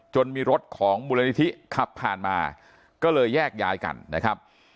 มีรถของมูลนิธิขับผ่านมาก็เลยแยกย้ายกันนะครับ